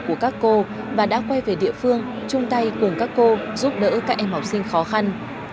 của các cô và đã quay về địa phương chung tay cùng các cô giúp đỡ các em học sinh khó khăn